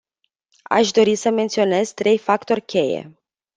Aș dori să menționez trei factori cheie.